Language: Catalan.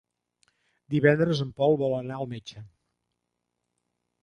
Divendres en Pol vol anar al metge.